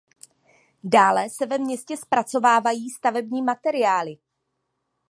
Dále se ve městě zpracovávají stavební materiály.